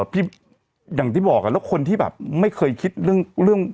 อย่างที่บอกแล้วคนที่แบบไม่เคยคิดเรื่อง